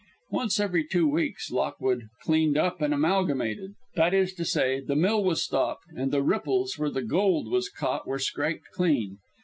Once every two weeks Lockwood "cleaned up and amalgamated" that is to say, the mill was stopped and the "ripples" where the gold was caught were scraped clean.